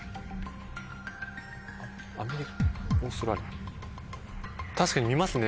アメリカオーストラリア。